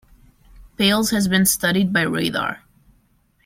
Pales has been studied by radar.